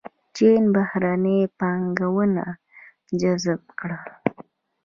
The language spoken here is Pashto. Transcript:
چین بهرنۍ پانګونه جذب کړه.